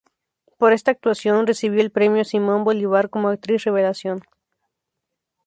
Por esta actuación recibió el Premio Simón Bolívar como actriz revelación.